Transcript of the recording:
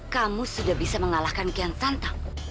kamu sudah bisa mengalahkan kian santa